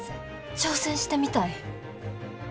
挑戦してみたい。